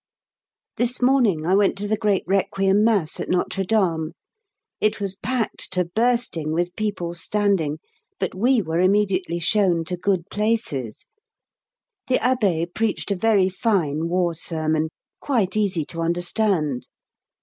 This morning I went to the great Requiem Mass at Notre Dame. It was packed to bursting with people standing, but we were immediately shown to good places. The Abbé preached a very fine war sermon, quite easy to understand.